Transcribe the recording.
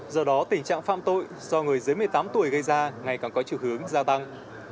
do đó tình trạng phạm tội do người dưới một mươi tám tuổi gây ra ngày càng có chiều hướng gia tăng